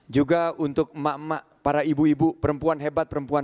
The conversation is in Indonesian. juga untuk emak emak para ibu ibu perempuan hebat perempuan